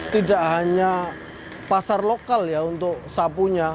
tidak hanya pasar lokal ya untuk sapunya